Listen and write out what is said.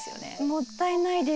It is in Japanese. もったいないです。